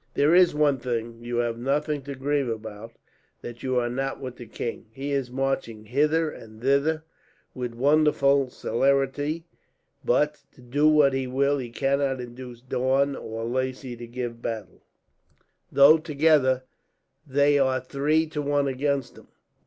"There is one thing, you have nothing to grieve about that you are not with the king. He is marching hither and thither with wonderful celerity but, do what he will, he cannot induce either Daun or Lacy to give battle; though together they are three to one against him.